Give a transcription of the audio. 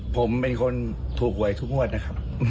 ผมเป็นคนทูหวยทูหวัดนะครับ